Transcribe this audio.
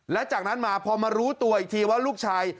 และจากนั้นมาพอมารู้ตัวอีกทีว่าลูกชาย